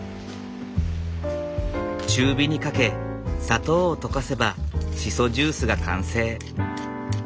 中火にかけ砂糖を溶かせばシソジュースが完成。